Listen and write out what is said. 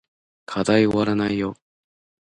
課題おわらないよ